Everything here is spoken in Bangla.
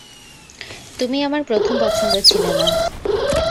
তুমি আমার প্রথম পছন্দ ছিলে না।